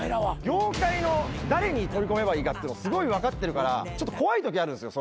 業界の誰に取り込めばいいかっていうのをすごい分かってるからちょっと。